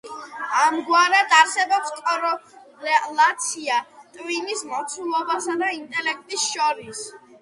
ამგვარად, არსებობს კორელაცია ტვინის მოცულობასა და ინტელექტს შორის.